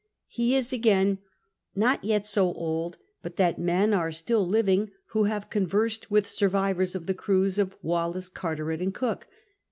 He is, again, not yet so old but that men are still living who have conversed with survivors of the crews of Wallis, Carteret, and Cook.